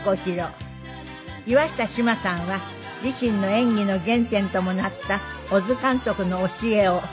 岩下志麻さんは自身の演技の原点ともなった小津監督の教えを。